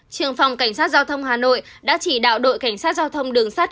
trường phòng cảnh sát giao thông hà nội đã chỉ đạo đội cảnh sát giao thông đường sắt